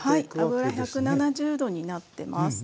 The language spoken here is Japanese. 油１７０℃になってます。